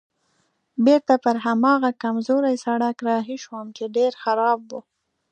بېرته پر هماغه کمزوري سړک رهي شوم چې ډېر خراب و.